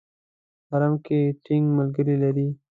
حرم کې ټینګ ملګري لري.